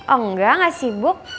enggak gak sibuk